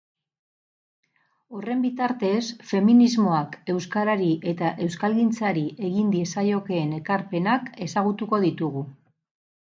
Horren bitartez, feminismoak euskarari eta euskalgintzari egin diezaizkiokeen ekarpenak ezagutuko ditugu.